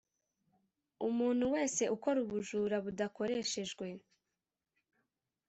Umuntu wese ukora ubujura budakoreshejwe